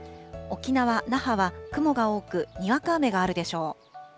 沖縄・那覇は雲が多く、にわか雨があるでしょう。